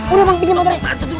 udah bang pinjem motornya